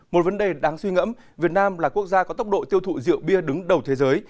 một vấn đề đáng suy ngẫm việt nam là quốc gia có tốc độ tiêu thụ rượu bia đứng đầu thế giới